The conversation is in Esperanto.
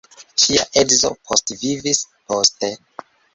Ŝia edzo postvivis poste.